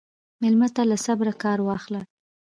مېلمه ته له صبره کار واخله.